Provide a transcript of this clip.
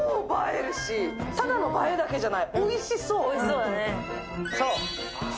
ただの映えだけじゃない、おいしそう。